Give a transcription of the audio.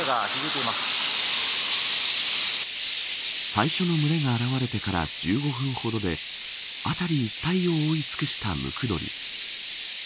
最初の群れが現れてから１５分ほどで辺り一帯を覆いつくしたムクドリ。